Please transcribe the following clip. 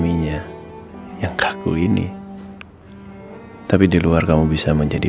ding ainda yang custar fun obligatory terintegrasierkan imbalanced